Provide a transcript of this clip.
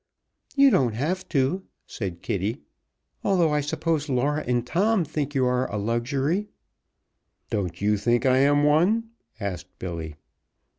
"You don't have to," said Kitty, "although I suppose Laura and Tom think you are a luxury." "Don't you think I am one?" asked Billy.